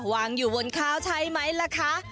วางอยู่บนข้าวใช่ไหมล่ะคะ